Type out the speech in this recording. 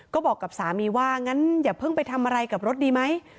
ก็บอกกับสามีว่างั้นอย่าเพิ่งไปทำอะไรกับรถดีไหม